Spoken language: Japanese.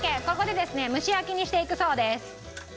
蒸し焼きにしていくそうです。